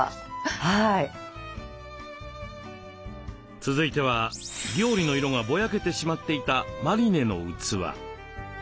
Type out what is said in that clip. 続いては料理の色がぼやけてしまっていたマリネの器。